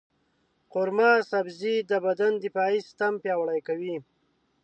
قورمه سبزي د بدن دفاعي سیستم پیاوړی کوي.